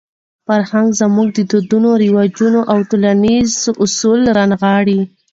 فرهنګ زموږ دودونه، رواجونه او ټولنیز اصول رانغاړي.